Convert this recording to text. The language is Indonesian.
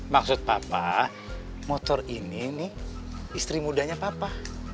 maksud papa motor ini nih istri mudanya papa